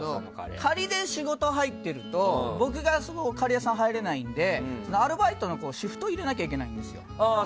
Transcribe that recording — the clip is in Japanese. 仮で仕事はいっていると僕がカレー屋さんは入れないのでアルバイトの子をシフトに入れなきゃいけないんです。